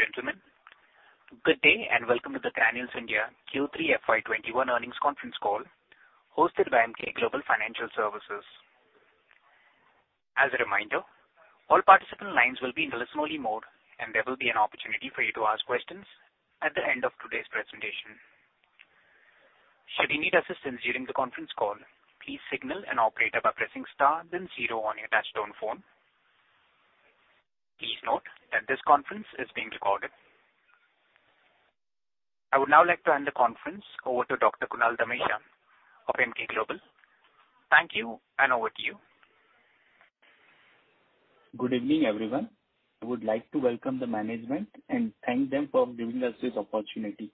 Ladies and gentlemen, good day and welcome to the Granules India Q3 FY 2021 earnings conference call hosted by Emkay Global Financial Services. As a reminder, all participant lines will be in listen only mode, and there will be an opportunity for you to ask questions at the end of today's presentation. Should you need assistance during the conference call, please signal an operator by pressing star then zero on your touchtone phone. Please note that this conference is being recorded. I would now like to hand the conference over to Kunal Damecha of Emkay Global. Thank you, and over to you. Good evening, everyone. I would like to welcome the management and thank them for giving us this opportunity.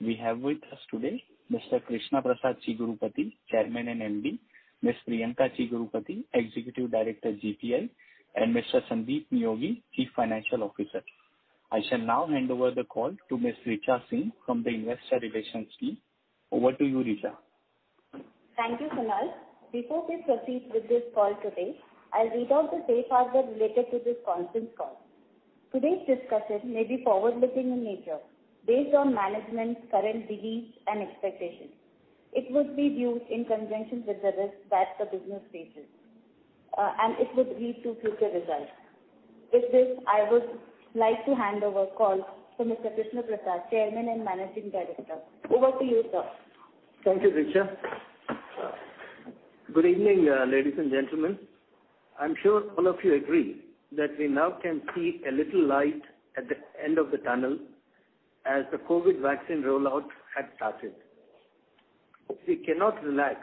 We have with us today Mr. Krishna Prasad Chigurupati, Chairman and MD, Ms. Priyanka Chigurupati, Executive Director, GPI, and Mr. Sandip Neogi, Chief Financial Officer. I shall now hand over the call to Ms. Richa Singh from the investor relations team. Over to you, Richa. Thank you, Kunal. Before we proceed with this call today, I'll read out the safe harbor related to this conference call. Today's discussion may be forward-looking in nature based on management's current beliefs and expectations. It would be viewed in conjunction with the risks that the business faces, and it would lead to future results. With this, I would like to hand over call to Mr. Krishna Prasad, Chairman and Managing Director. Over to you, sir. Thank you, Richa. Good evening, ladies and gentlemen. I'm sure all of you agree that we now can see a little light at the end of the tunnel as the COVID vaccine rollout had started. We cannot relax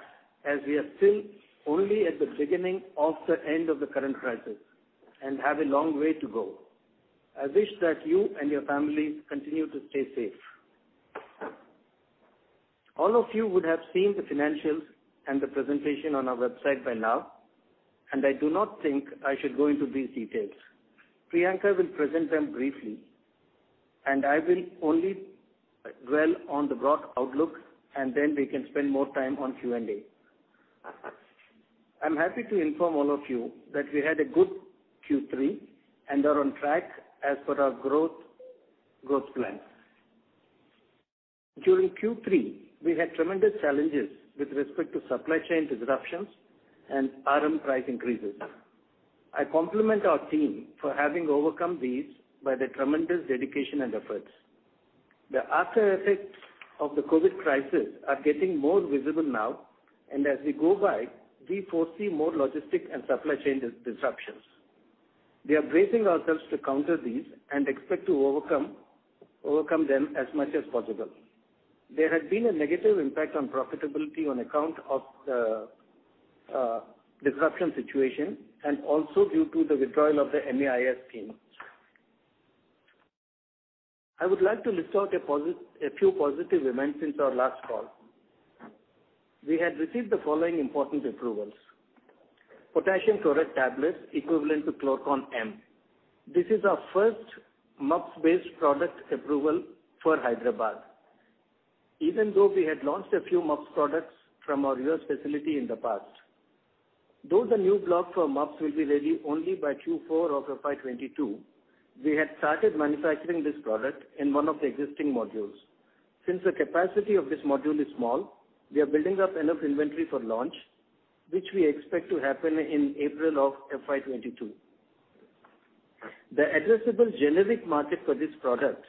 as we are still only at the beginning of the end of the current crisis and have a long way to go. I wish that you and your families continue to stay safe. All of you would have seen the financials and the presentation on our website by now, and I do not think I should go into these details. Priyanka will present them briefly, and I will only dwell on the broad outlook and then we can spend more time on Q&A. I'm happy to inform all of you that we had a good Q3 and are on track as per our growth plans. During Q3, we had tremendous challenges with respect to supply chain disruptions and RM price increases. I compliment our team for having overcome these by their tremendous dedication and efforts. The aftereffects of the COVID crisis are getting more visible now, and as we go by, we foresee more logistic and supply chain disruptions. We are bracing ourselves to counter these and expect to overcome them as much as possible. There had been a negative impact on profitability on account of the disruption situation and also due to the withdrawal of the MEIS scheme. I would like to list out a few positive events since our last call. We had received the following important approvals. potassium chloride tablets equivalent to Klor-Con M. This is our first MUPS-based product approval for Hyderabad. Even though we had launched a few MUPS products from our U.S. facility in the past. The new block for MUPS will be ready only by Q4 of FY 2022, we had started manufacturing this product in one of the existing modules. Since the capacity of this module is small, we are building up enough inventory for launch, which we expect to happen in April of FY 2022. The addressable generic market for this product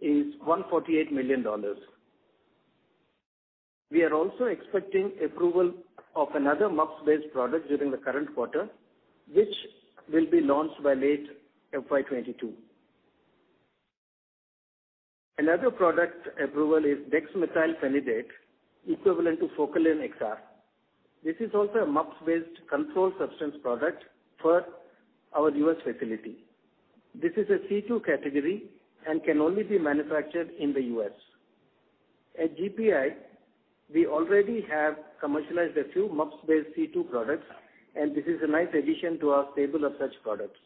is $148 million. We are also expecting approval of another MUPS-based product during the current quarter, which will be launched by late FY 2022. Another product approval is dexmethylphenidate, equivalent to Focalin XR. This is also a MUPS-based controlled substance product for our U.S. facility. This is a C2 category and can only be manufactured in the U.S. At GPI, we already have commercialized a few MUPS-based C2 products, and this is a nice addition to our stable of such products.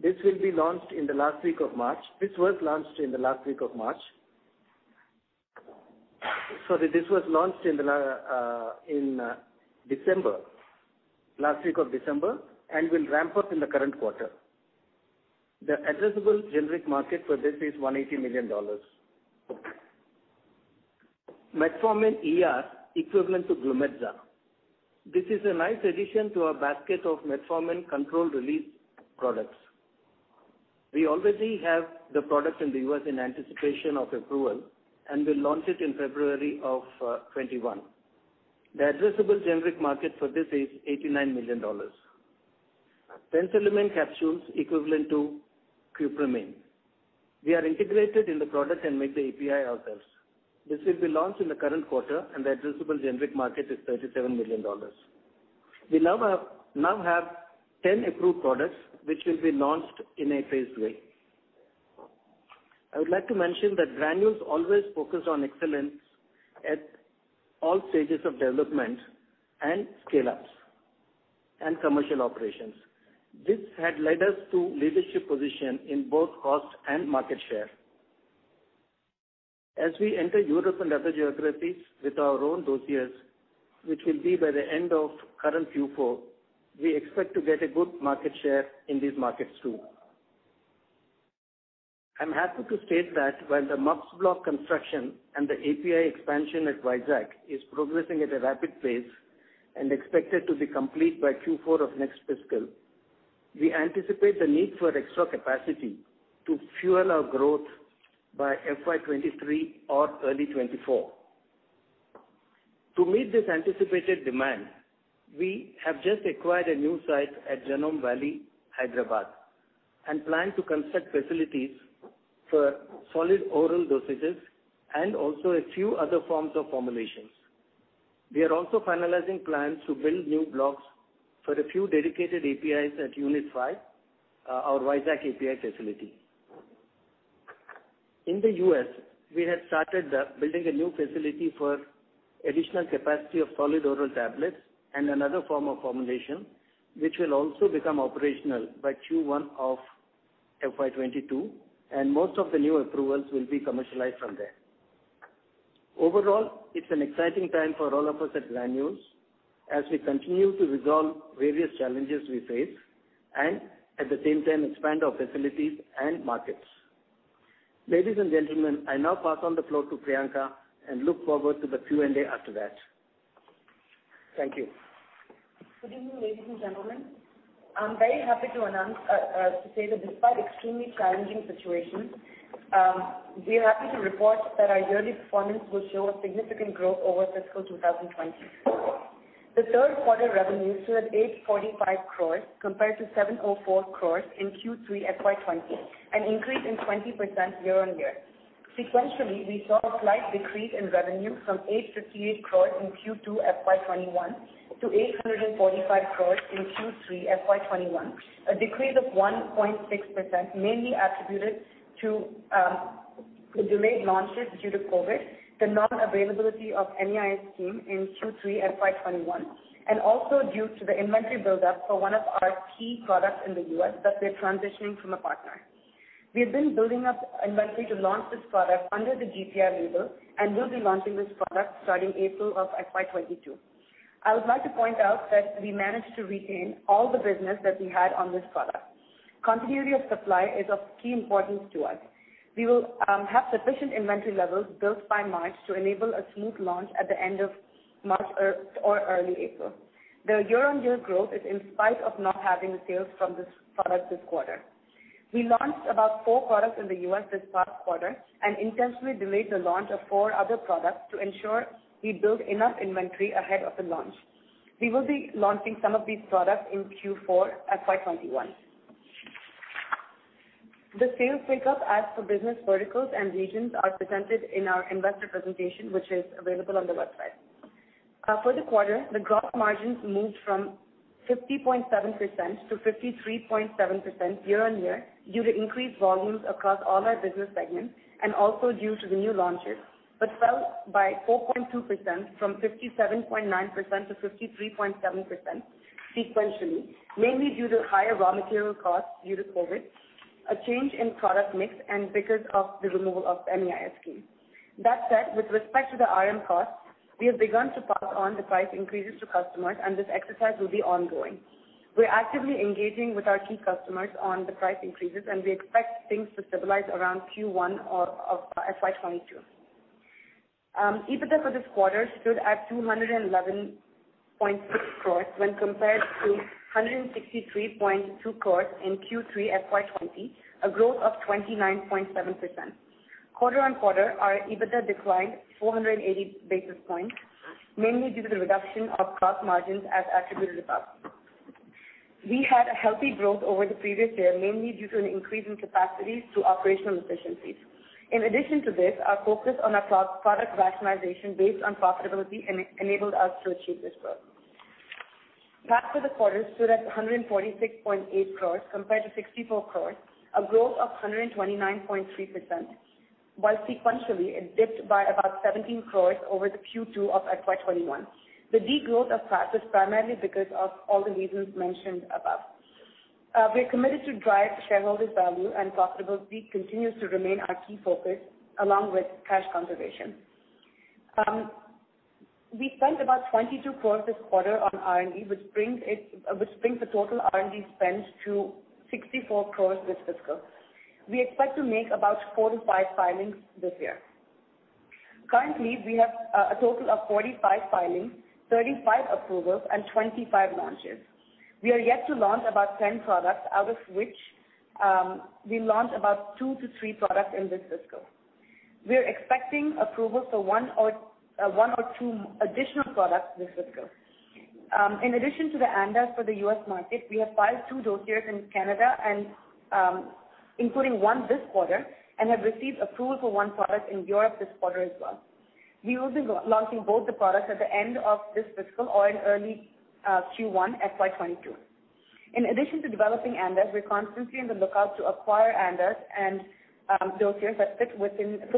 This was launched in the last week of March. Sorry. This was launched in December, last week of December and will ramp up in the current quarter. The addressable generic market for this is $180 million. Metformin ER, equivalent to Glumetza. This is a nice addition to our basket of metformin controlled release products. We already have the product in the U.S. in anticipation of approval and will launch it in February of 2021. The addressable generic market for this is $89 million. penicillamine capsules equivalent to Cuprimine. We are integrated in the product and make the API ourselves. This will be launched in the current quarter and the addressable generic market is $37 million. We now have 10 approved products which will be launched in a phased way. I would like to mention that Granules always focus on excellence at all stages of development and scale-ups and commercial operations. This had led us to leadership position in both cost and market share. As we enter Europe and other geographies with our own dossiers, which will be by the end of current Q4, we expect to get a good market share in these markets too. I'm happy to state that while the MUPS block construction and the API expansion at Vizag is progressing at a rapid pace and expected to be complete by Q4 of next fiscal, we anticipate the need for extra capacity to fuel our growth by FY 2023 or early 2024. To meet this anticipated demand, we have just acquired a new site at Genome Valley, Hyderabad, and plan to construct facilities for solid oral dosages and also a few other forms of formulations. We are also finalizing plans to build new blocks for a few dedicated APIs at Unit Five, our Vizag API facility. In the U.S., we have started building a new facility for additional capacity of solid oral tablets and another form of formulation, which will also become operational by Q1 of FY 2022. Most of the new approvals will be commercialized from there. Overall, it's an exciting time for all of us at Granules as we continue to resolve various challenges we face and at the same time expand our facilities and markets. Ladies and gentlemen, I now pass on the floor to Priyanka and look forward to the Q&A after that. Thank you. Good evening, ladies and gentlemen. I'm very happy to say that despite extremely challenging situations, we are happy to report that our yearly performance will show a significant growth over fiscal 2020. The third quarter revenues stood at 845 crore compared to 704 crore in Q3 FY 2020, an increase in 20% year-on-year. Sequentially, we saw a slight decrease in revenue from 858 crore in Q2 FY 2021 to 845 crore in Q3 FY 2021. A decrease of 1.6% mainly attributed to the delayed launches due to COVID, the non-availability of MEIS scheme in Q3 FY 2021, and also due to the inventory buildup for one of our key products in the U.S. that we are transitioning from a partner. We have been building up inventory to launch this product under the GPI label and will be launching this product starting April of FY 2022. I would like to point out that we managed to retain all the business that we had on this product. Continuity of supply is of key importance to us. We will have sufficient inventory levels built by March to enable a smooth launch at the end of March or early April. The year-on-year growth is in spite of not having the sales from this product this quarter. We launched about four products in the U.S. this past quarter and intentionally delayed the launch of four other products to ensure we build enough inventory ahead of the launch. We will be launching some of these products in Q4 FY 2021. The sales pickup as per business verticals and regions are presented in our investor presentation, which is available on the website. For the quarter, the growth margins moved from 50.7%-53.7% year-on-year due to increased volumes across all our business segments and also due to the new launches, but fell by 4.2% from 57.9%-53.7% sequentially, mainly due to higher raw material costs due to COVID, a change in product mix, and because of the removal of MEIS scheme. That said, with respect to the RM costs, we have begun to pass on the price increases to customers. This exercise will be ongoing. We're actively engaging with our key customers on the price increases, and we expect things to stabilize around Q1 of FY 2022. EBITDA for this quarter stood at 211.6 crores when compared to 163.2 crores in Q3 FY 2020, a growth of 29.7%. Quarter-on-quarter, our EBITDA declined 480 basis points, mainly due to the reduction of cost margins as attributed above. We had a healthy growth over the previous year, mainly due to an increase in capacities through operational efficiencies. In addition to this, our focus on our product rationalization based on profitability enabled us to achieve this growth. PAT for the quarter stood at 146.8 crores compared to 64 crores, a growth of 129.3%, while sequentially it dipped by about 17 crores over the Q2 FY 2021. The degrowth of PAT was primarily because of all the reasons mentioned above. We're committed to drive shareholder value, and profitability continues to remain our key focus along with cash conservation. We spent about 22 crores this quarter on R&D, which brings the total R&D spend to 64 crores this fiscal. We expect to make about four to five filings this year. Currently, we have a total of 45 filings, 35 approvals, and 25 launches. We are yet to launch about 10 products, out of which we launched about two to three products in this fiscal. We're expecting approval for one or two additional products this fiscal. In addition to the ANDAs for the U.S. market, we have filed two dossiers in Canada, including one this quarter, and have received approval for one product in Europe this quarter as well. We will be launching both the products at the end of this fiscal or in early Q1 FY 2022. In addition to developing ANDAs, we're constantly on the lookout to acquire ANDAs and dossiers that fit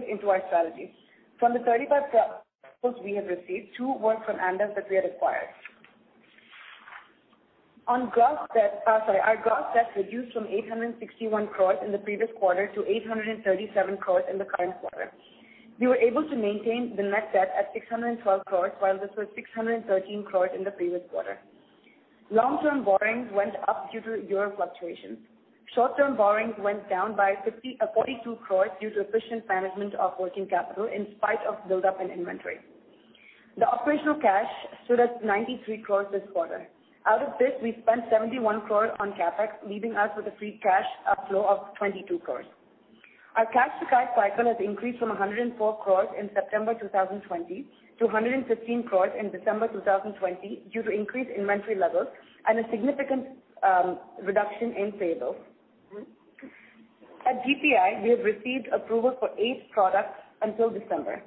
into our strategy. From the 35 we have received, two were from ANDAs that we have acquired. Our gross debt reduced from 861 crores in the previous quarter to 837 crores in the current quarter. We were able to maintain the net debt at 612 crores, while this was 613 crores in the previous quarter. Long-term borrowings went up due to euro fluctuations. Short-term borrowings went down by 42 crores due to efficient management of working capital in spite of build-up in inventory. The operational cash stood at 93 crores this quarter. Out of this, we spent 71 crores on CapEx, leaving us with a free cash flow of 22 crores. Our cash-to-cash cycle has increased from 104 crores in September 2020 to 115 crores in December 2020 due to increased inventory levels and a significant reduction in payables. At GPI, we have received approval for eight products until December.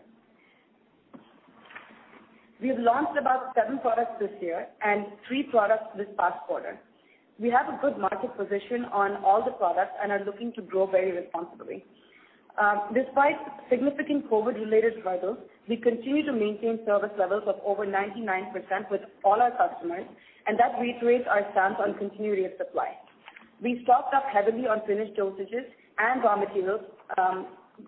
We have launched about seven products this year and three products this past quarter. We have a good market position on all the products and are looking to grow very responsibly. Despite significant COVID-related struggles, we continue to maintain service levels of over 99% with all our customers, and that reiterates our stance on continuity of supply. We stocked up heavily on finished dosages and raw materials,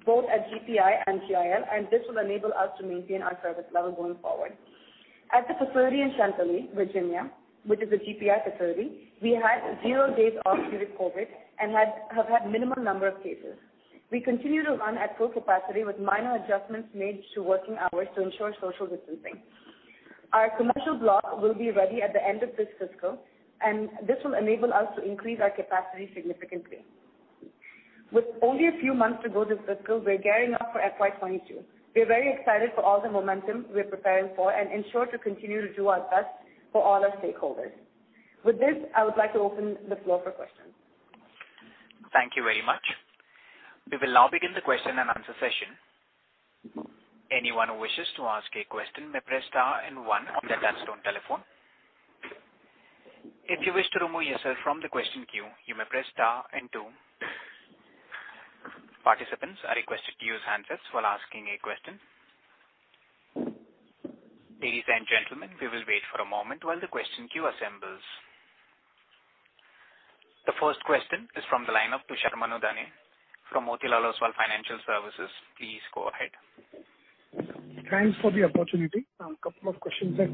both at GPI and GIL, and this will enable us to maintain our service level going forward. At the facility in Chantilly, Virginia, which is a GPI facility, we had zero days off due to COVID and have had minimum number of cases. We continue to run at full capacity with minor adjustments made to working hours to ensure social distancing. Our commercial block will be ready at the end of this fiscal, and this will enable us to increase our capacity significantly. With only a few months to go this fiscal, we're gearing up for FY 2022. We're very excited for all the momentum we're preparing for and ensure to continue to do our best for all our stakeholders. With this, I would like to open the floor for questions. Thank you very much. We will now begin the question and answer session. Anyone who wishes to ask a question may press star and one on the touchtone telephone. If you wish to remove yourself from the question queue, you may press star and two. Participants are requested to use handsets while asking a question. Ladies and gentlemen, we will wait for a moment while the question queue assembles. The first question is from the line of Tushar Manudhane from Motilal Oswal Financial Services. Please go ahead. Thanks for the opportunity. A couple of questions I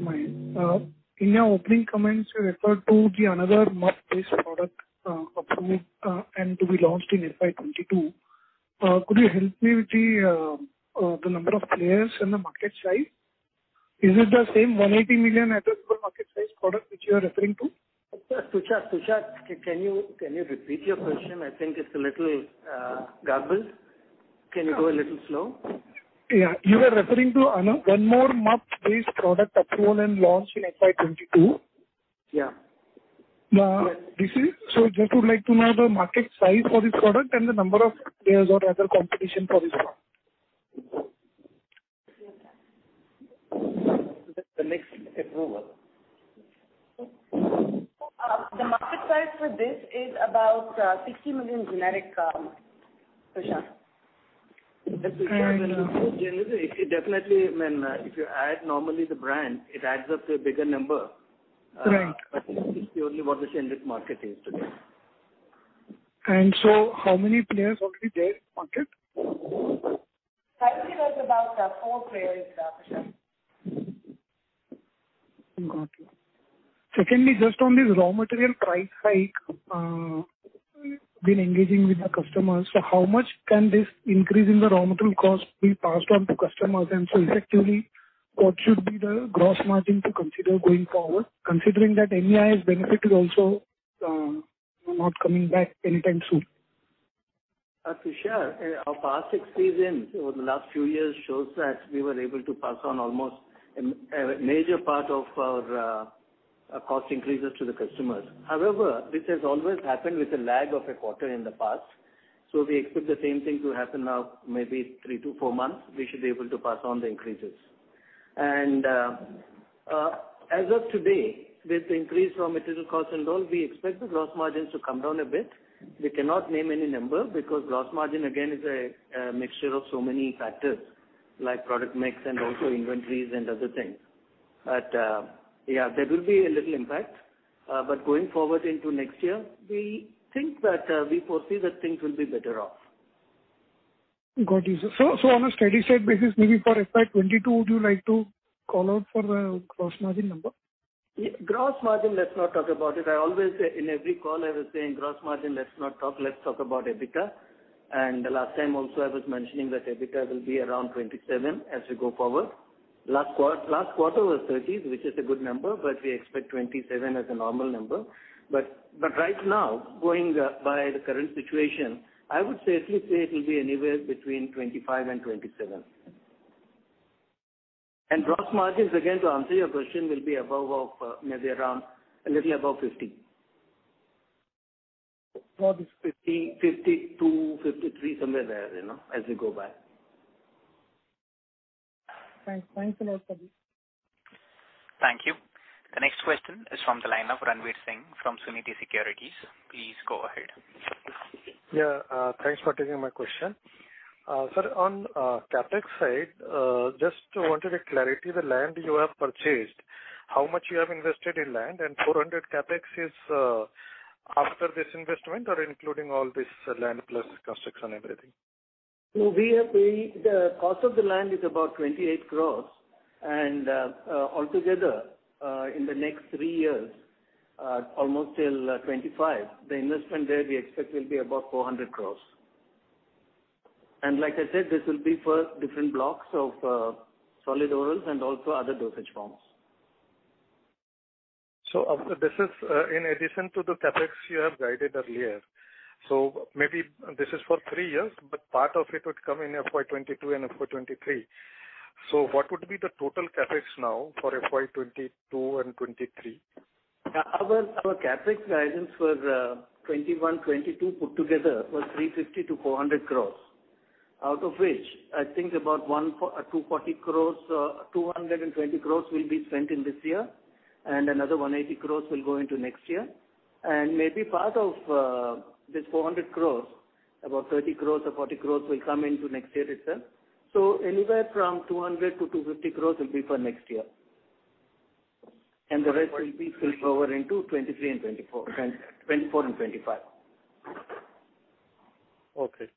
have. In your opening comments, you referred to another MUPS-based product approved and to be launched in FY 2022. Could you help me with the number of players in the market size? Is it the same 180 million addressable market size product which you are referring to? Tushar, can you repeat your question? I think it's a little garbled. Can you go a little slow? Yeah. You were referring to one more MUPS-based product approved and launched in FY 2022. Yeah. Just would like to know the market size for this product and the number of players or rather competition for this one. The next approval. The market size for this is about 60 million generic, Tushar. Tushar, it's a generic. If you add normally the brand, it adds up to a bigger number. Right. This is only what the generic market is today. How many players already there in the market? Currently, there's about four players, Tushar. Got you. Secondly, just on this raw material price hike, been engaging with the customers. How much can this increase in the raw material cost be passed on to customers? Effectively, what should be the gross margin to consider going forward, considering that MEIS benefit is also not coming back anytime soon? Tushar, our past experience over the last few years shows that we were able to pass on almost a major part of our cost increases to the customers. However, this has always happened with a lag of a quarter in the past, we expect the same thing to happen now. Maybe three to four months, we should be able to pass on the increases. As of today, with the increase in raw material cost and all, we expect the gross margins to come down a bit. We cannot name any number because gross margin again is a mixture of so many factors, like product mix and also inventories and other things. Yeah, there will be a little impact. Going forward into next year, we foresee that things will be better off. Got you, sir. On a steady-state basis, maybe for FY 2022, would you like to call out for the gross margin number? Gross margin, let's not talk about it. In every call I was saying gross margin, let's not talk. Let's talk about EBITDA. The last time also, I was mentioning that EBITDA will be around 27 as we go forward. Last quarter was 30, which is a good number, we expect 27 as a normal number. Right now, going by the current situation, I would safely say it will be anywhere between 25 and 27. Gross margins, again, to answer your question, will be maybe around a little above 50. What is 50? 50, two, three, somewhere there as we go by. Thanks a lot, sir. Thank you. The next question is from the line of Ranveer Singh from Suniti Securities. Please go ahead. Yeah. Thanks for taking my question. Sir, on CapEx side, just wanted a clarity, the land you have purchased, how much you have invested in land and 400 CapEx is after this investment or including all this land plus construction, everything? The cost of the land is about 28 crores. Altogether, in the next three years, almost till 2025, the investment there we expect will be about 400 crores. Like I said, this will be for different blocks of solid orals and also other dosage forms. This is in addition to the CapEx you have guided earlier. Maybe this is for three years, but part of it would come in FY 2022 and FY 2023. What would be the total CapEx now for FY 2022 and 2023? Our CapEx guidance for 2021, 2022 put together was 350-400 crores. Out of which, I think about 220 crores will be spent in this year and another 180 crores will go into next year. Maybe part of this 400 crores, about 30 crores or 40 crores will come into next year itself. Anywhere from 200-250 crores will be for next year. The rest will be spill over into 2023 and 2024 and 2024 and 2025. Okay.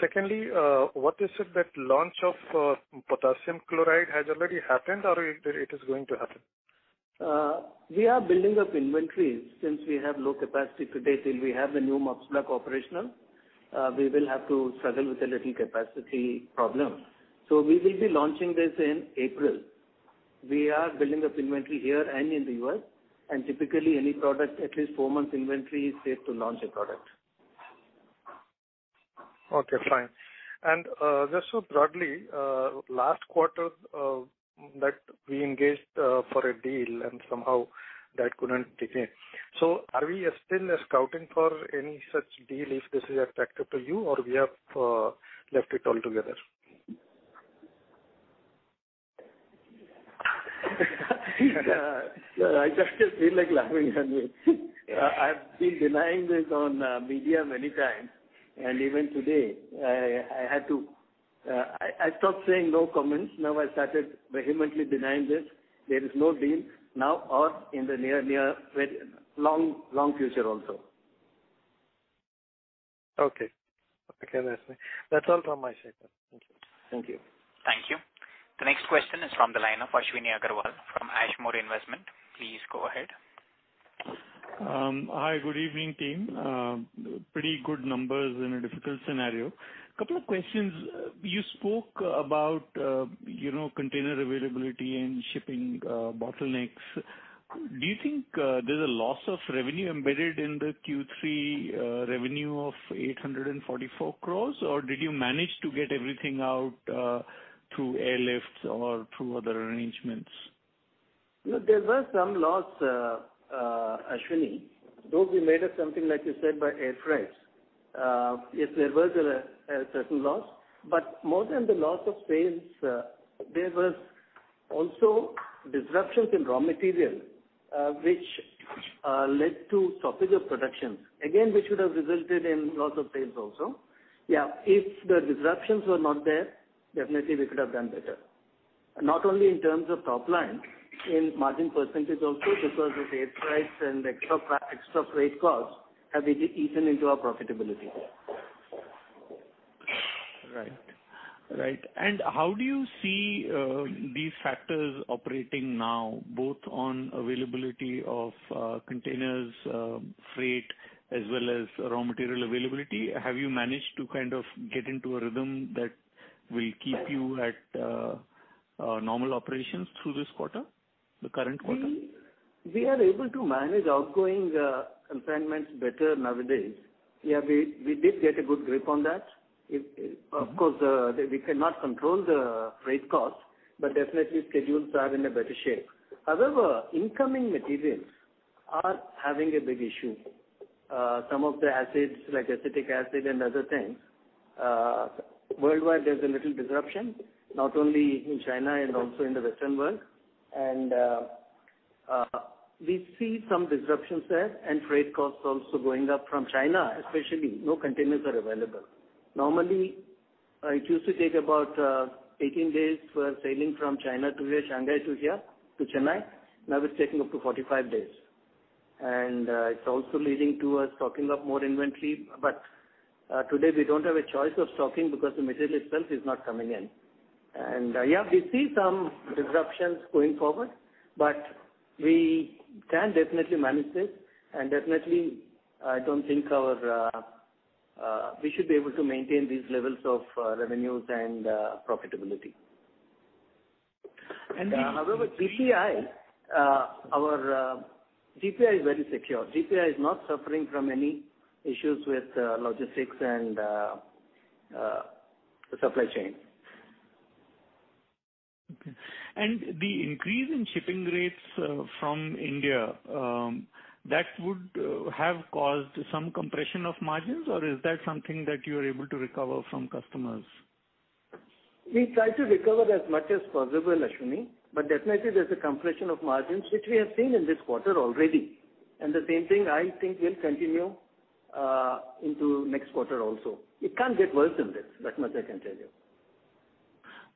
Secondly, what you said that launch of potassium chloride has already happened, or it is going to happen? We are building up inventory since we have low capacity today. Till we have the new MUPS block operational, we will have to struggle with a little capacity problem. We will be launching this in April. We are building up inventory here and in the U.S., and typically any product, at least four months inventory is safe to launch a product. Okay, fine. Just so broadly, last quarter, that we engaged for a deal and somehow that couldn't take in. Are we still scouting for any such deal if this is attractive to you or we have left it altogether? Sir, I just feel like laughing. I've been denying this on media many times. Even today, I stopped saying no comments. Now I started vehemently denying this. There is no deal now or in the near long future also. Okay. That's all from my side, sir. Thank you. Thank you. Thank you. The next question is from the line of Ashwini Agarwal from Ashmore Investment. Please go ahead. Hi, good evening, team. Pretty good numbers in a difficult scenario. Couple of questions. You spoke about container availability and shipping bottlenecks. Do you think there's a loss of revenue embedded in the Q3 revenue of 844 crores? Did you manage to get everything out through airlifts or through other arrangements? Look, there was some loss, Ashwini, those we made up something like you said, by air freight. Yes, there was a certain loss, but more than the loss of sales, there was also disruptions in raw material, which led to stoppage of productions. Again, which would have resulted in loss of sales also. If the disruptions were not there, definitely we could have done better. Not only in terms of top line, in margin percentage also, because this air freight and extra freight costs have eaten into our profitability. Right. How do you see these factors operating now, both on availability of containers, freight, as well as raw material availability? Have you managed to kind of get into a rhythm that will keep you at normal operations through this quarter, the current quarter? We are able to manage outgoing consignments better nowadays. We did get a good grip on that. Of course, we cannot control the freight cost, but definitely schedules are in a better shape. However, incoming materials are having a big issue. Some of the acids, like acetic acid and other things, worldwide, there's a little disruption, not only in China and also in the Western world. We see some disruptions there and freight costs also going up from China, especially. No containers are available. Normally, it used to take about 18 days for sailing from China to here, Shanghai to here, to Chennai. Now it's taking up to 45 days. It's also leading to us stocking up more inventory. Today we don't have a choice of stocking because the material itself is not coming in. We see some disruptions going forward, but we can definitely manage this. Definitely, we should be able to maintain these levels of revenues and profitability. And the- However, our GPI is very secure. GPI is not suffering from any issues with logistics and supply chain. Okay. The increase in shipping rates from India, that would have caused some compression of margins, or is that something that you are able to recover from customers? We try to recover as much as possible, Ashwini, but definitely there's a compression of margins, which we have seen in this quarter already. The same thing, I think, will continue into next quarter also. It can't get worse than this, that much I can tell you.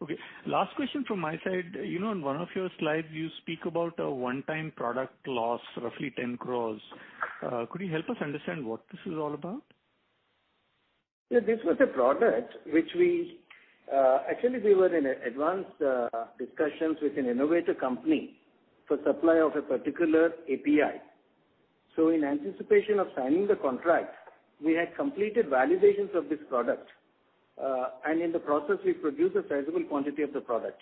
Okay. Last question from my side. In one of your slides, you speak about a one-time product loss, roughly 10 crores. Could you help us understand what this is all about? Yeah. Actually, we were in advanced discussions with an innovator company for supply of a particular API. In anticipation of signing the contract, we had completed validations of this product. In the process, we produced a sizable quantity of the product.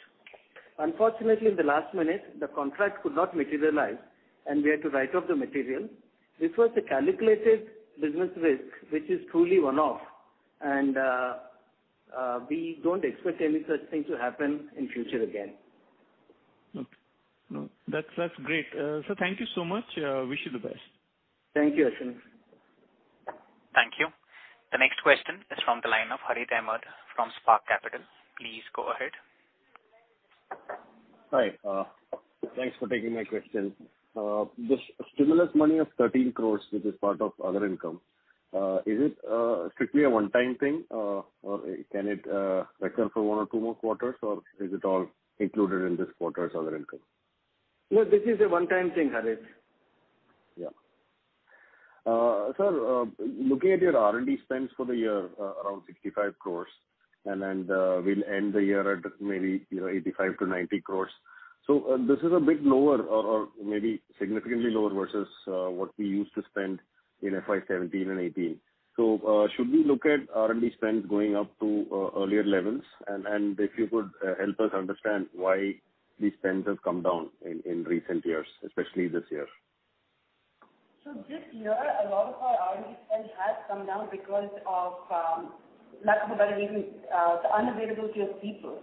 Unfortunately, in the last minute, the contract could not materialize, and we had to write off the material. This was a calculated business risk, which is truly one-off. We don't expect any such thing to happen in future again. Okay. No, that's great. Sir, thank you so much. Wish you the best. Thank you, Ashwini. Thank you. The next question is from the line of Harith Ahamed from Spark Capital. Please go ahead. Hi. Thanks for taking my question. This stimulus money of 13 crores, which is part of other income, is it strictly a one-time thing, or can it recur for one or two more quarters, or is it all included in this quarter's other income? No, this is a one-time thing, Harith. Yeah. Sir, looking at your R&D spends for the year, around 65 crores, then we'll end the year at maybe 85-90 crores. This is a bit lower or maybe significantly lower versus what we used to spend in FY 2017 and 2018. Should we look at R&D spends going up to earlier levels? If you could help us understand why these spends have come down in recent years, especially this year. This year, a lot of our R&D spend has come down because of, lack of a better reason, the unavailability of people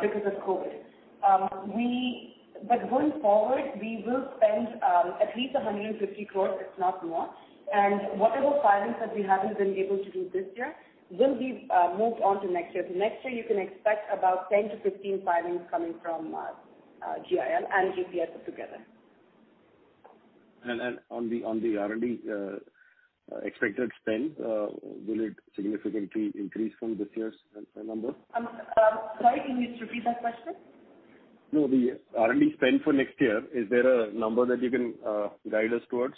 because of COVID. Going forward, we will spend at least 150 crores, if not more. Whatever filings that we haven't been able to do this year will be moved on to next year. Next year you can expect about 10 to 15 filings coming from GIL and GPI put together. On the R&D expected spend, will it significantly increase from this year's number? Sorry, can you repeat that question? The R&D spend for next year, is there a number that you can guide us towards?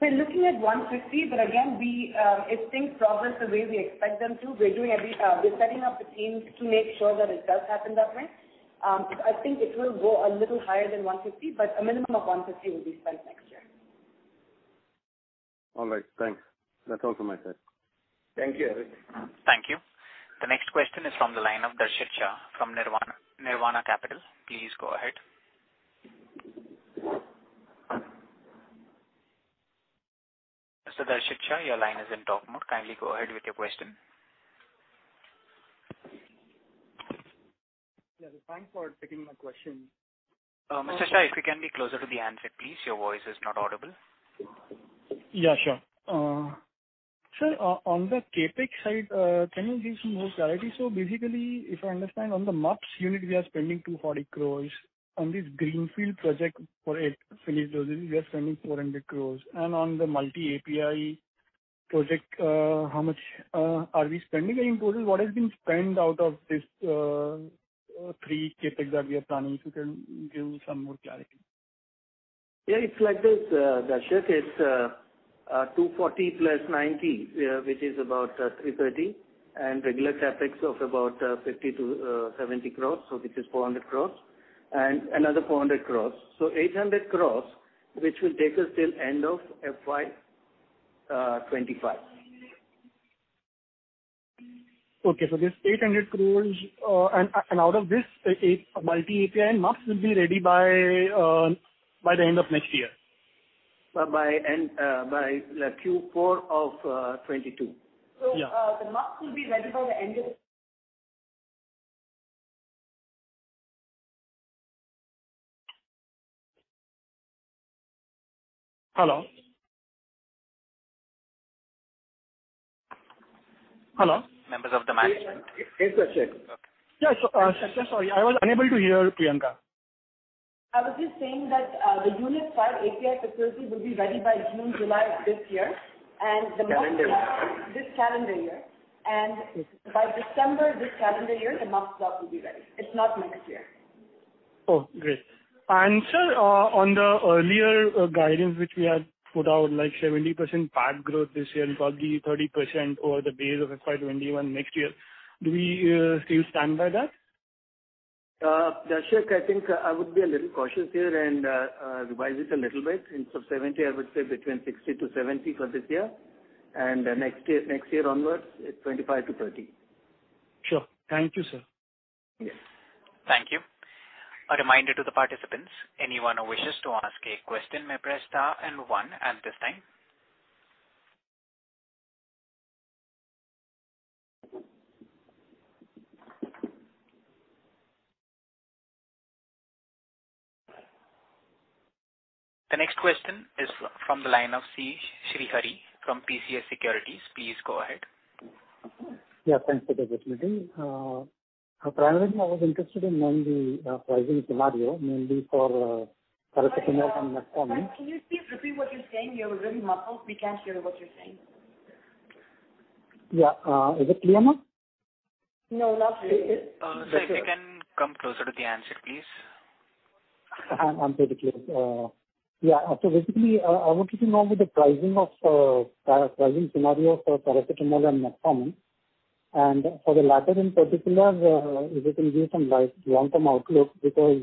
We're looking at 150, again, if things progress the way we expect them to, we're setting up the teams to make sure that it does happen that way. I think it will go a little higher than 150, a minimum of 150 will be spent next year. All right. Thanks. That's all from my side. Thank you, Harith. Thank you. The next question is from the line of Darshit Shah from Nirvana Capital. Please go ahead. Mr. Darshit Shah, your line is in talk mode. Kindly go ahead with your question. Yeah. Thanks for taking my question. Mr. Shah, if you can be closer to the handset, please. Your voice is not audible. Yeah, sure. Sir, on the CapEx side, can you give some more clarity? If I understand, on the MUPS unit, we are spending 240 crores. On this greenfield project for eight finished doses, we are spending 400 crores. On the multi-API project, how much are we spending or importing? What has been spent out of this three CapEx that we are planning? If you can give some more clarity. Yeah, it's like this, Darshit. It's 240 plus 90, which is about 330. Regular CapEx of about 50 crores-70 crores. Which is 400 crores. Another 400 crores. 800 crores, which will take us till end of FY 2025. Okay. This 800 crores, and out of this, multi-API and MUPS will be ready by the end of next year. By Q4 of 2022. Yeah. The MUPS will be ready by the end of Hello? Hello? Members of the management- Hey, Darshit. Yeah, sir. Sorry, I was unable to hear Priyanka. I was just saying that the Unit Five API facility will be ready by June, July of this year, and the MUPS- Calendar year. This calendar year. By December this calendar year, the MUPS block will be ready. It's not next year. Oh, great. Sir, on the earlier guidance which we had put out, like 70% PAT growth this year and probably 30% over the base of FY 2021 next year, do we still stand by that? Darshit, I think I would be a little cautious here and revise it a little bit. Instead of 70, I would say between 60%-70% for this year. Next year onwards, it's 25%-30%. Sure. Thank you, sir. Yes. Thank you. A reminder to the participants, anyone who wishes to ask a question may press star and one at this time. The next question is from the line of C. Srihari from PCS Securities. Please go ahead. Yeah, thanks for the opportunity. Primarily, I was interested in knowing the pricing scenario, mainly for paracetamol and metformin. Can you please repeat what you're saying? You're really muffled. We can't hear what you're saying. Yeah. Is it clear now? No, not clear. Sir, if you can come closer to the handset, please. I'm pretty clear. Yeah. Basically, I wanted to know the pricing scenario for paracetamol and metformin. For the latter, in particular, if you can give some long-term outlook, because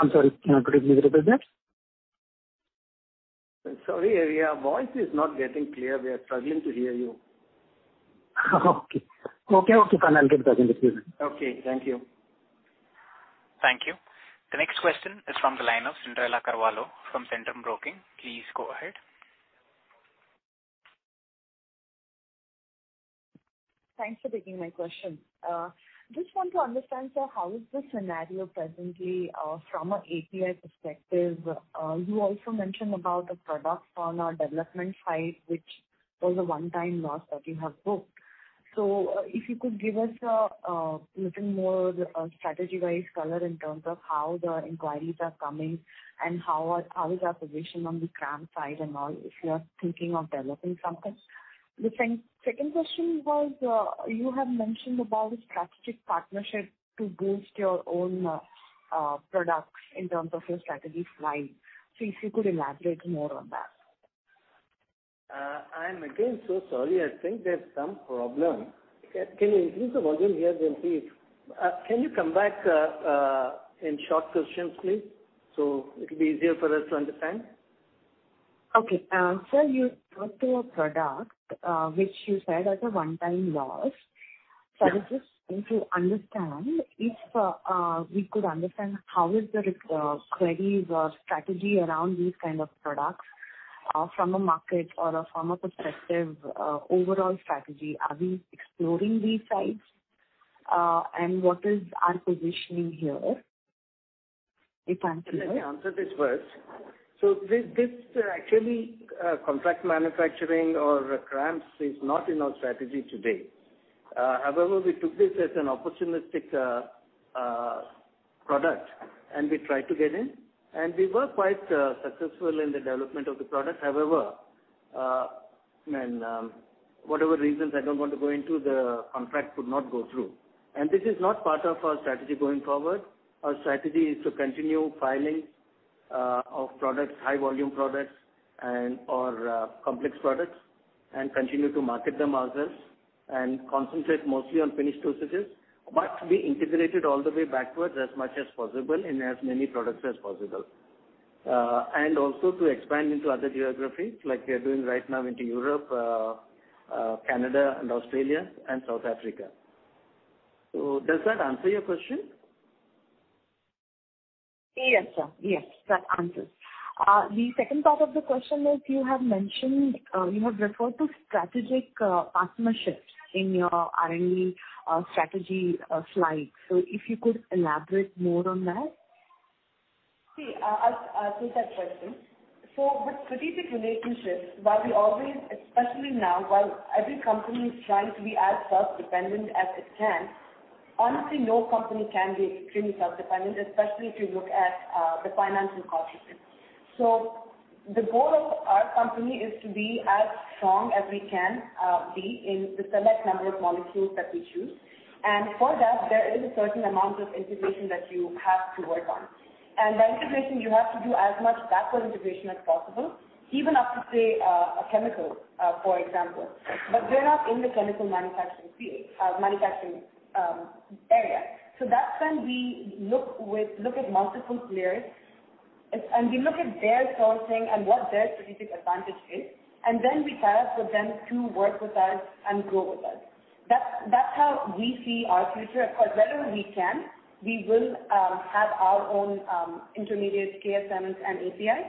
Thank you. The next question is from the line of Chintan Shah from Centrum Broking. Please go ahead. Thanks for taking my question. Just want to understand, sir, how is the scenario presently from an API perspective. You also mentioned about a product on a development side, which was a one-time loss that you have booked. If you could give us a little more strategy-wise color in terms of how the inquiries are coming and how is our position on the CRAMS side and all, if you are thinking of developing something. The second question was, you have mentioned about strategic partnership to boost your own products in terms of your strategy slide. If you could elaborate more on that. I am again so sorry. I think there's some problem. Can you increase the volume here then, please? Can you come back in short questions, please, so it'll be easier for us to understand. Okay. Sir, you talked of a product, which you said as a one-time loss. I was just trying to understand if we could understand how is the query or strategy around these kind of products from a market or from a perspective, overall strategy. Are we exploring these sides? What is our positioning here? If you can please. Let me answer this first. This actually, contract manufacturing or CRAMS is not in our strategy today. However, we took this as an opportunistic product, and we tried to get in, and we were quite successful in the development of the product. However, whatever reasons I don't want to go into, the contract could not go through. This is not part of our strategy going forward. Our strategy is to continue filing of products, high volume products and/or complex products and continue to market them ourselves and concentrate mostly on finished dosages. Be integrated all the way backwards as much as possible in as many products as possible. Also to expand into other geographies like we are doing right now into Europe, Canada and Australia and South Africa. Does that answer your question? Yes, sir. Yes, that answers. The second part of the question is you have referred to strategic partnerships in your R&D strategy slide. If you could elaborate more on that. See, I'll take that question. With strategic relationships, while we always, especially now, while every company is trying to be as self-dependent as it can, honestly, no company can be extremely self-dependent, especially if you look at the financial consequences. The goal of our company is to be as strong as we can be in the select number of molecules that we choose. For that, there is a certain amount of integration that you have to work on. By integration, you have to do as much backward integration as possible, even up to, say, a chemical, for example. We're not in the chemical manufacturing area. That's when we look at multiple players, and we look at their sourcing and what their strategic advantage is, and then we tie up with them to work with us and grow with us. That's how we see our future. Of course, wherever we can, we will have our own intermediates, KSMs and APIs.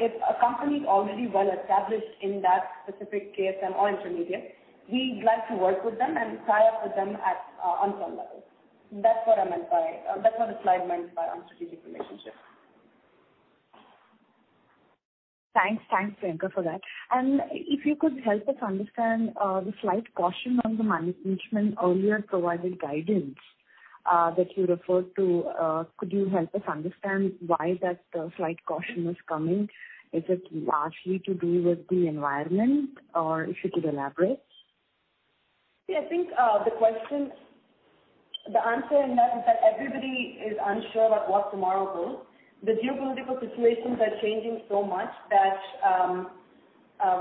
If a company is already well established in that specific KSM or intermediate, we like to work with them and tie up with them on some levels. That's what the slide meant by on strategic relationships. Thanks, Priyanka, for that. If you could help us understand the slight caution on the money management earlier provided guidance that you referred to. Could you help us understand why that slight caution is coming? Is it largely to do with the environment, or if you could elaborate? I think the answer in that is that everybody is unsure about what tomorrow holds. The geopolitical situations are changing so much that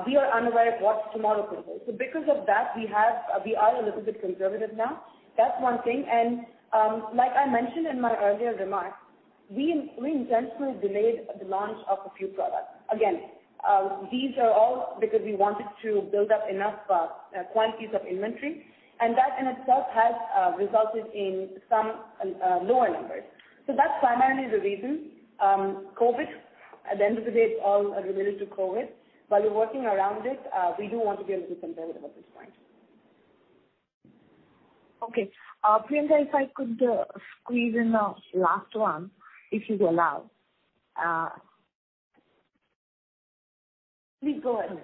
we are unaware of what tomorrow could hold. Because of that, we are a little bit conservative now. That's one thing, and like I mentioned in my earlier remarks, we intentionally delayed the launch of a few products. Again, these are all because we wanted to build up enough quantities of inventory, and that in itself has resulted in some lower numbers. That's primarily the reason. At the end of the day, it's all related to COVID. While we're working around it, we do want to be a little conservative at this point. Okay. Priyanka, if I could squeeze in a last one, if you'd allow. Please go ahead.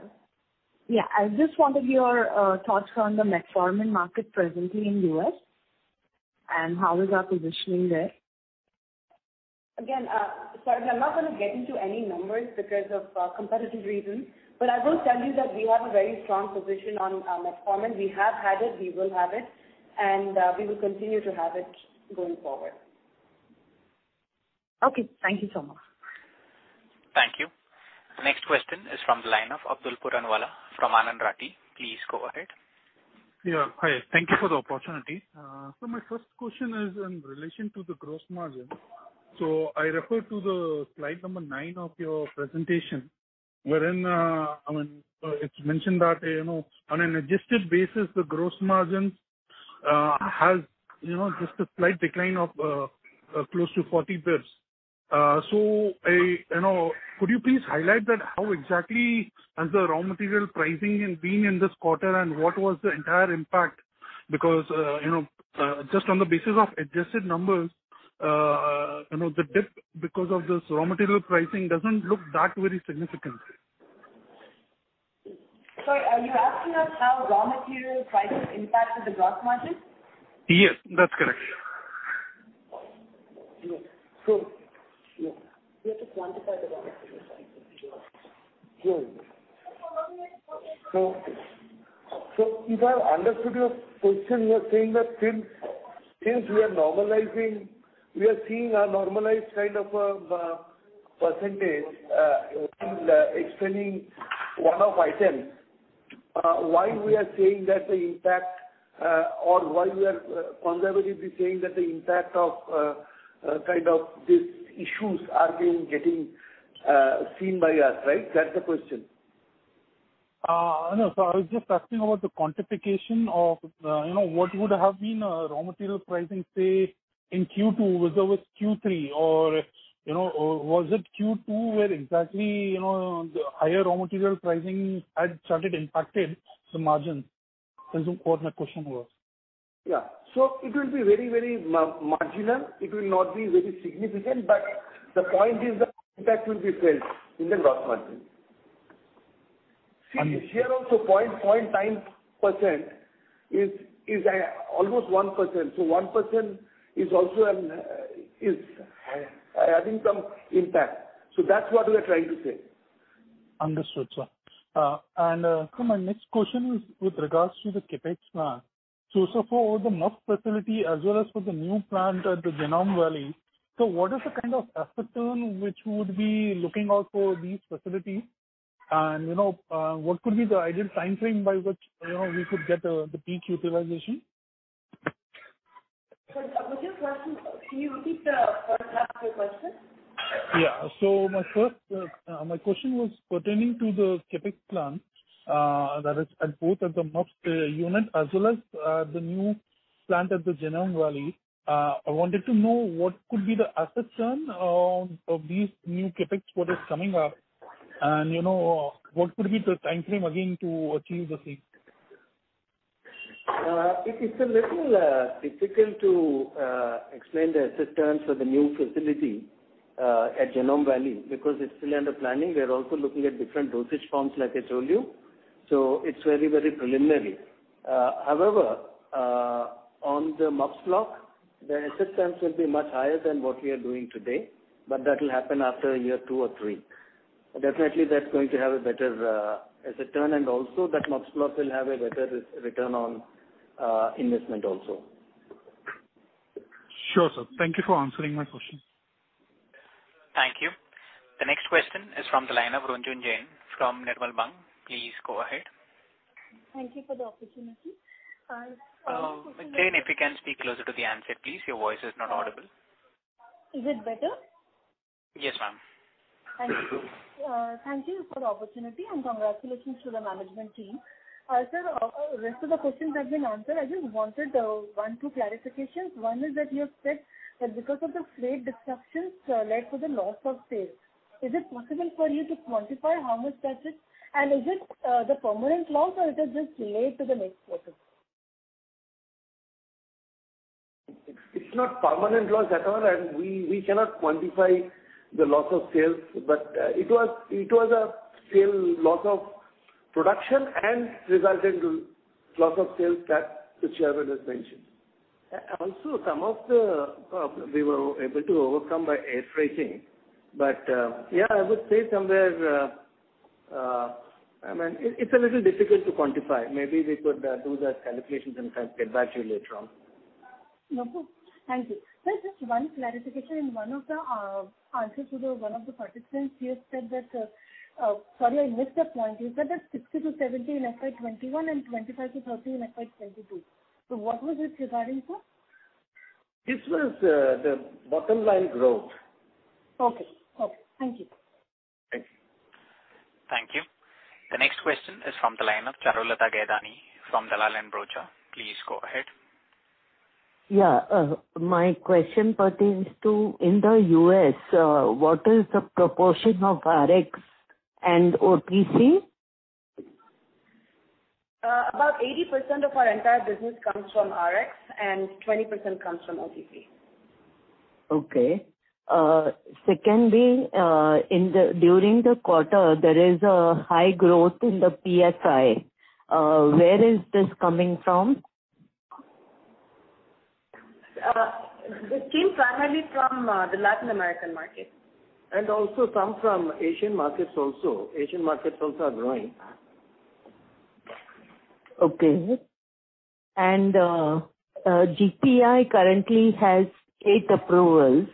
Yeah. I just wanted your thoughts on the metformin market presently in the U.S., and how is our positioning there? Again, sorry, I'm not going to get into any numbers because of competitive reasons, but I will tell you that we have a very strong position on metformin. We have had it, we will have it, and we will continue to have it going forward. Okay. Thank you so much. Thank you. The next question is from the line of Abdulkader Puranwala from Anand Rathi. Please go ahead. Yeah. Hi. Thank you for the opportunity. My first question is in relation to the gross margin. I refer to the slide number nine of your presentation, wherein it's mentioned that on an adjusted basis, the gross margin has just a slight decline of close to 40 basis points. Could you please highlight that how exactly has the raw material pricing been in this quarter, and what was the entire impact? Because, just on the basis of adjusted numbers, the dip because of this raw material pricing doesn't look that very significant. Sorry, are you asking us how raw material pricing impacted the gross margin? Yes, that's correct. We have to quantify the raw material pricing. Sure. If I understood your question, you are saying that since we are seeing a normalized kind of a percentage in explaining one-off items, why we are conservatively saying that the impact of these issues are getting seen by us, right? That's the question. No. I was just asking about the quantification of what would have been raw material pricing, say, in Q2 vis-à-vis Q3. Or was it Q2 where exactly, the higher raw material pricing had started impacting the margin? That was what my question was. Yeah. It will be very marginal. It will not be very significant. The point is the impact will be felt in the gross margin. See, here also point times percent is almost 1%. 1% is having some impact. That's what we're trying to say. Understood, sir. My next question is with regards to the CapEx plan. For the MUPS facility as well as for the new plant at the Genome Valley, what is the kind of asset turn which we would be looking out for these facilities and what could be the ideal timeframe by which we could get the peak utilization? Sir, can you repeat the first half of your question? Yeah. My question was pertaining to the CapEx plan that is at both at the MUPS unit as well as the new plant at the Genome Valley. I wanted to know what could be the asset turn of these new CapEx what is coming up and what could be the timeframe, again, to achieve the same? It is a little difficult to explain the asset turns for the new facility at Genome Valley because it is still under planning. We are also looking at different dosage forms, like I told you. It is very preliminary. However, on the MUPS block, the asset turns will be much higher than what we are doing today, but that will happen after year two or three. Definitely that is going to have a better asset turn and also that MUPS block will have a better return on investment also. Sure, sir. Thank you for answering my question. Is from the line of Ranjan Jain from Nirmal Bang. Please go ahead. Thank you for the opportunity. Jain, if you can speak closer to the handset, please. Your voice is not audible. Is it better? Yes, ma'am. Thank you. Thank you for the opportunity and congratulations to the management team. Sir, rest of the questions have been answered. I just wanted one-two clarifications. One is that you have said that because of the freight disruptions led to the loss of sales. Is it possible for you to quantify how much that is? Is it the permanent loss or it is just delayed to the next quarter? It's not permanent loss at all, and we cannot quantify the loss of sales, but it was a still loss of production and resulted in loss of sales that the chairman has mentioned. Some of the, we were able to overcome by air freighting. Yeah, I would say somewhere, it's a little difficult to quantify. Maybe we could do the calculations and get back to you later on. No problem. Thank you. Sir, just one clarification. In one of the answers to one of the participants, you have said that, sorry, I missed that point. You said that 60%-70% in FY 2021 and 25%-30% in FY 2022. What was this regarding, sir? This was the bottom line growth. Okay. Thank you. Thank you. The next question is from the line of Charulata Gadani from Dalal & Broacha. Please go ahead. Yeah. My question pertains to in the U.S., what is the proportion of RX and OTC? About 80% of our entire business comes from RX and 20% comes from OTC. Okay. Secondly, during the quarter, there is a high growth in the PFI. Where is this coming from? It came primarily from the Latin American market. Also some from Asian markets also. Asian markets also are growing. Okay. GPI currently has eight approvals.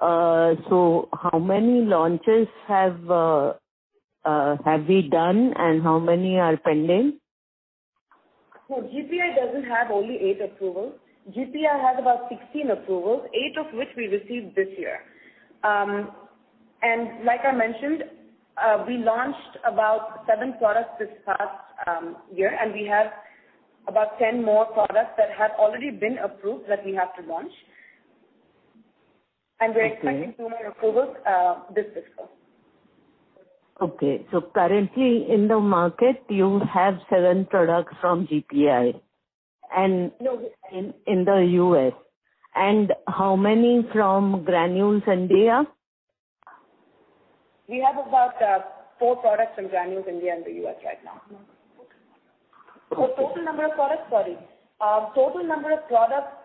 How many launches have we done and how many are pending? GPI doesn't have only eight approvals. GPI has about 16 approvals, eight of which we received this year. Like I mentioned, we launched about seven products this past year, and we have about 10 more products that have already been approved that we have to launch. We're expecting- Okay. -more approvals this fiscal. Currently in the market, you have seven products from GPI. No. In the U.S. How many from Granules India? We have about four products from Granules India in the U.S. right now. Okay. Total number of products, sorry. Total number of products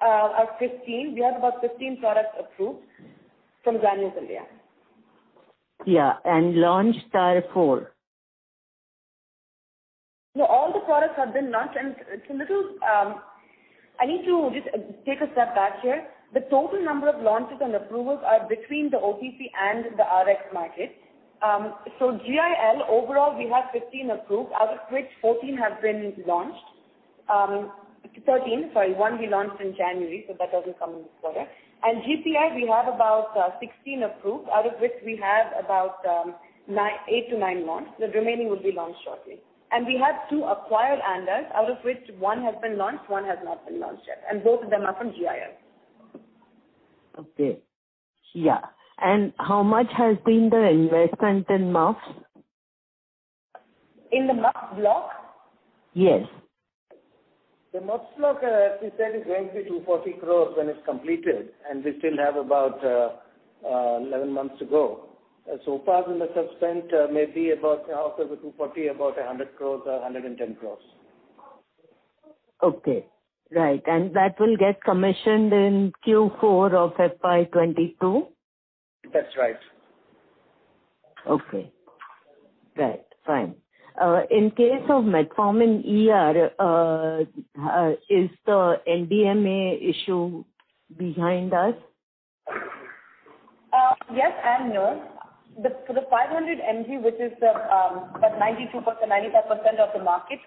are 15. We have about 15 products approved from Granules India. Yeah. Launched are four. No, all the products have been launched. I need to just take a step back here. The total number of launches and approvals are between the OTC and the RX markets. GIL, overall, we have 15 approved, out of which 14 have been launched. 13, sorry. One we launched in January, so that doesn't come in this quarter. GPI, we have about 16 approved, out of which we have about eight to nine launched. The remaining will be launched shortly. We have two acquired ANDAs, out of which one has been launched, one has not been launched yet, and both of them are from GIL. Okay. Yeah. How much has been the investment in MAF? In the MAF block? Yes. The MAF block, as we said, is going to be 240 crores when it's completed, and we still have about 11 months to go. So far we must have spent maybe about, out of the 240, about 100 crores or 110 crores. Okay. Right. That will get commissioned in Q4 of FY 2022? That's right. Okay. Right. Fine. In case of Metformin ER, is the NDMA issue behind us? Yes and no. For the 500 mg, which is the 92%, 95% of the market,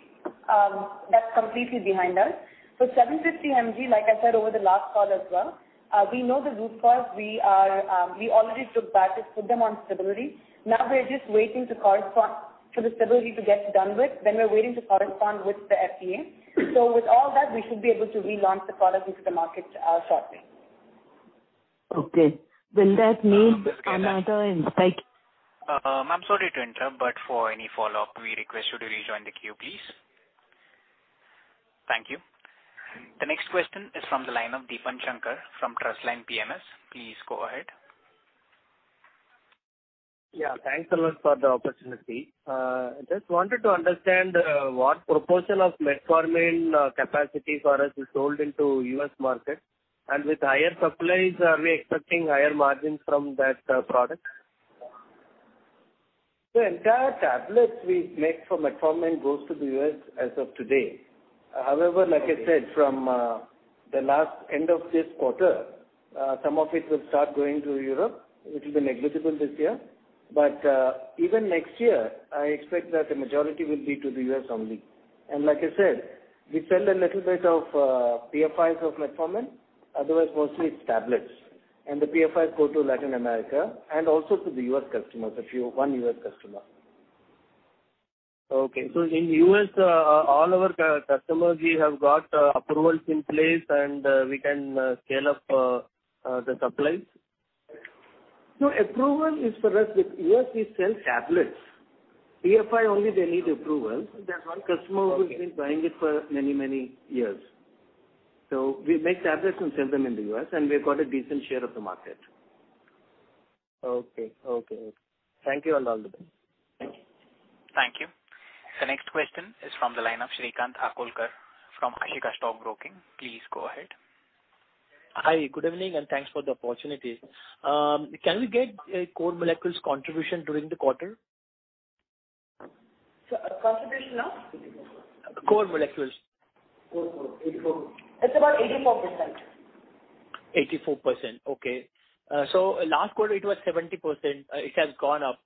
that's completely behind us. 750 mg, like I said over the last call as well, we know the root cause. We already took batches, put them on stability. Now we are just waiting for the stability to get done with, then we're waiting to correspond with the FDA. With all that, we should be able to relaunch the product into the market shortly. Okay. Will that need another inspection? Ma'am, sorry to interrupt, but for any follow-up, we request you to rejoin the queue, please. Thank you. The next question is from the line of Deepansh Shankar from Trustline PMS. Please go ahead. Yeah. Thanks a lot for the opportunity. Just wanted to understand what proportion of metformin capacity for us is sold into U.S. market, with higher supplies, are we expecting higher margins from that product? The entire tablets we make for metformin goes to the U.S. as of today. However, like I said, from the last end of this quarter, some of it will start going to Europe. It will be negligible this year. Even next year, I expect that the majority will be to the U.S. only. Like I said, we sell a little bit of PFIs of metformin, otherwise, mostly it's tablets. The PFIs go to Latin America and also to the U.S. customers, one U.S. customer. Okay. In the U.S., all our customers, we have got approvals in place and we can scale up the supplies? No, approval is for us with U.S., we sell tablets. PFI only they need approval. They're one customer who's been buying it for many, many years. We make tablets and sell them in the U.S., and we've got a decent share of the market. Okay. Thank you. All the best. Thank you. Thank you. The next question is from the line of Shrikant Hakolkar from Ashika Stock Broking. Please go ahead. Hi, good evening, and thanks for the opportunity. Can we get a core molecules contribution during the quarter? Contribution of? Core molecules. Core molecules, 84. It's about 84%. Last quarter it was 70%. It has gone up.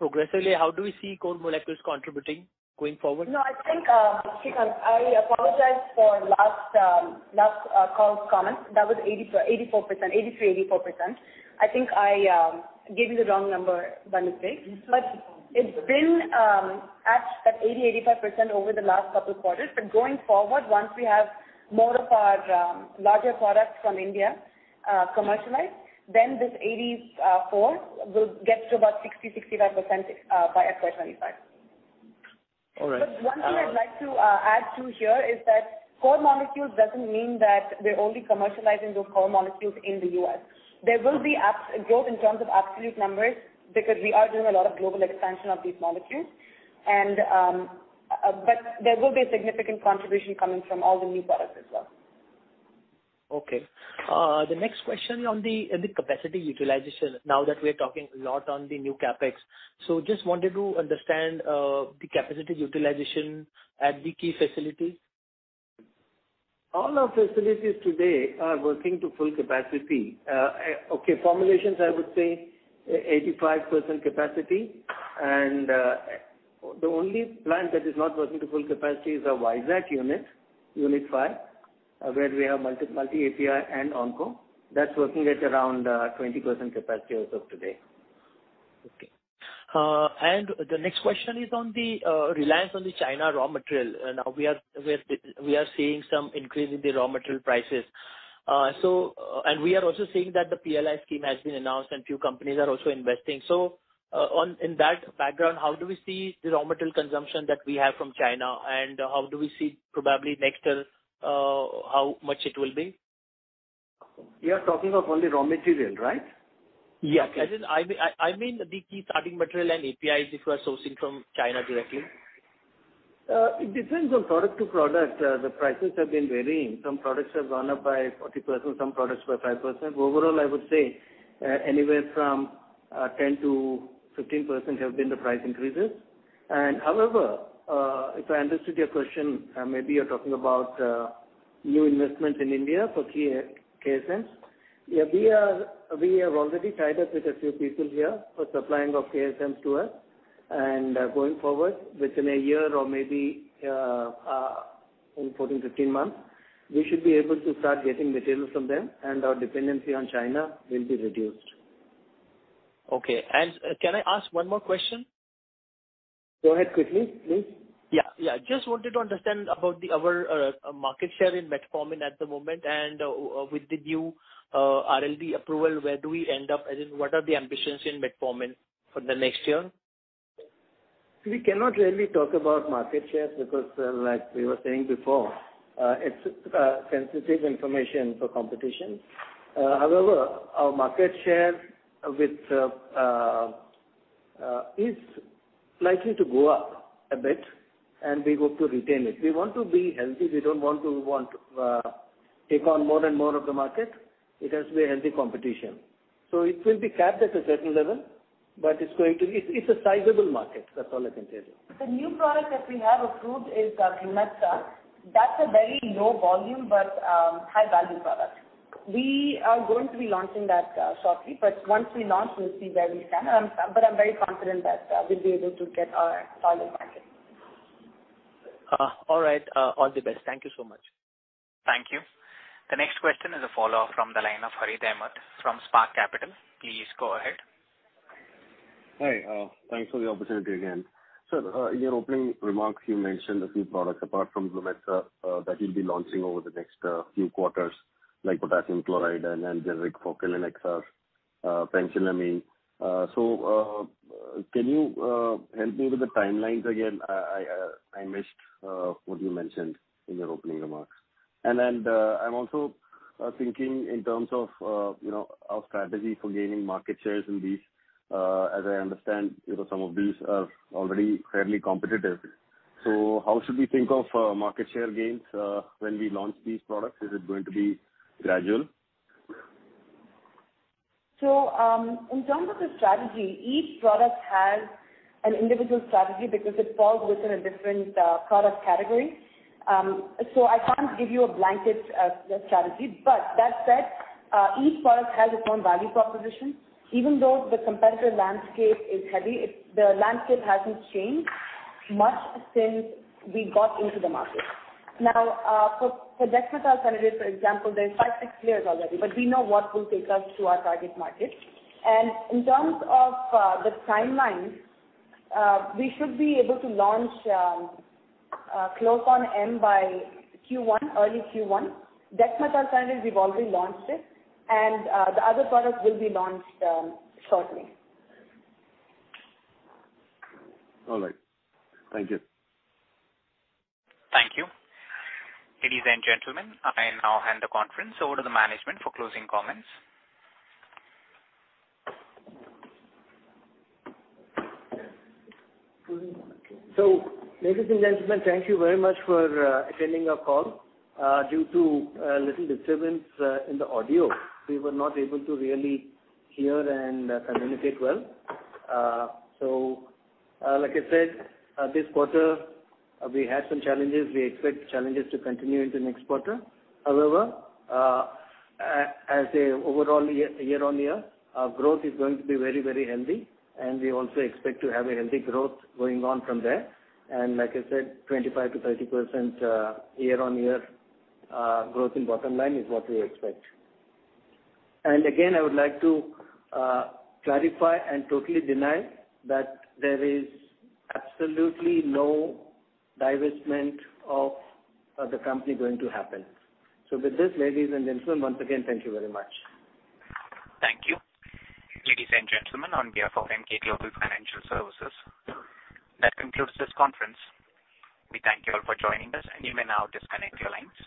Progressively, how do we see core molecules contributing going forward? No, I think, Shrikant, I apologize for last call's comments. That was 83%-84%. I think I gave you the wrong number by mistake. It's been at that 80%-85% over the last couple of quarters. Going forward, once we have more of our larger products from India commercialized, then this 84% will get to about 60%-65% by FY 2025. All right. One thing I'd like to add to here is that core molecules doesn't mean that we're only commercializing those core molecules in the U.S. There will be growth in terms of absolute numbers because we are doing a lot of global expansion of these molecules. There will be a significant contribution coming from all the new products as well. Okay. The next question on the capacity utilization, now that we're talking a lot on the new CapEx. Just wanted to understand the capacity utilization at the key facility. All our facilities today are working to full capacity. Okay, formulations, I would say 85% capacity. The only plant that is not working to full capacity is our Vizag unit five, where we have multi API and onco. That is working at around 20% capacity as of today. Okay. The next question is on the reliance on the China raw material. Now we are seeing some increase in the raw material prices. We are also seeing that the PLI scheme has been announced, and few companies are also investing. In that background, how do we see the raw material consumption that we have from China, and how do we see probably next year, how much it will be? You're talking of only raw material, right? Yes. I mean, the key starting material and APIs which we're sourcing from China directly. It depends on product to product. The prices have been varying. Some products have gone up by 40%, some products by 5%. Overall, I would say anywhere from 10%-15% have been the price increases. However, if I understood your question, maybe you're talking about new investments in India for KSMs. Yeah, we have already tied up with a few people here for supplying of KSMs to us. Going forward, within a year or maybe in 14, 15 months, we should be able to start getting materials from them, and our dependency on China will be reduced. Okay. Can I ask one more question? Go ahead quickly, please. Wanted to understand about our market share in metformin at the moment and with the new RLD approval, where do we end up? As in, what are the ambitions in metformin for the next year? We cannot really talk about market share because like we were saying before, it's sensitive information for competition. However, our market share is likely to go up a bit, and we hope to retain it. We want to be healthy. We don't want to take on more and more of the market. It has to be a healthy competition. It will be capped at a certain level. It's a sizable market. That's all I can say. The new product that we have approved is Glumetza. That's a very low volume but high-value product. We are going to be launching that shortly. Once we launch, we'll see where we stand. I'm very confident that we'll be able to get a solid market. All right. All the best. Thank you so much. Thank you. The next question is a follow-up from the line of Harith Ahamed from Spark Capital. Please go ahead. Hi. Thanks for the opportunity again. Sir, in your opening remarks, you mentioned a few products apart from Glumetza that you'll be launching over the next few quarters, like potassium chloride and generic Focalin XR, penicillamine. Can you help me with the timelines again? I missed what you mentioned in your opening remarks. I'm also thinking in terms of our strategy for gaining market shares in these. As I understand, some of these are already fairly competitive. How should we think of market share gains when we launch these products? Is it going to be gradual? In terms of the strategy, each product has an individual strategy because it falls within a different product category. I can't give you a blanket strategy. That said, each product has its own value proposition. Even though the competitive landscape is heavy, the landscape hasn't changed much since we got into the market. For dexmethylphenidate, for example, there's five, six players already, but we know what will take us to our target market. In terms of the timelines, we should be able to launch clofazimine by early Q1. dexamethasone, we've already launched it, and the other products will be launched shortly. All right. Thank you. Thank you. Ladies and gentlemen, I now hand the conference over to the management for closing comments. Ladies and gentlemen, thank you very much for attending our call. Due to a little disturbance in the audio, we were not able to really hear and communicate well. Like I said, this quarter we had some challenges. We expect challenges to continue into next quarter. However, as an overall year-on-year, our growth is going to be very healthy, and we also expect to have a healthy growth going on from there. Like I said, 25%-30% year-on-year growth in bottom line is what we expect. Again, I would like to clarify and totally deny that there is absolutely no divestment of the company going to happen. With this, ladies and gentlemen, once again, thank you very much. Thank you. Ladies and gentlemen, on behalf of Emkay Global Financial Services, that concludes this conference. We thank you all for joining us. You may now disconnect your lines.